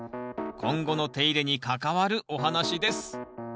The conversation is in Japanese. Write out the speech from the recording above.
今後の手入れに関わるお話です